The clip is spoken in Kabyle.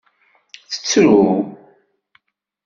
Tettru.